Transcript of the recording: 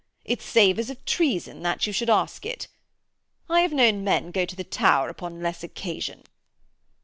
It savours of treason that you should ask it. I have known men go to the Tower upon less occasion.'